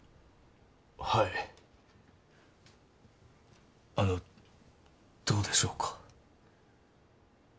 はいあのどうでしょうか？